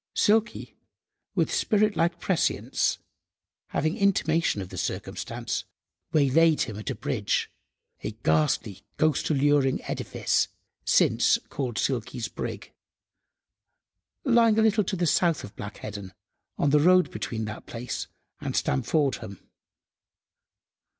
Silky, with spirit–like prescience, having intimation of the circumstance, waylaid him at a bridge—a "ghastly, ghost–alluring edifice," since called "Silky's Brig," lying a little to the south of Black Heddon, on the road between that place and Stamfordham.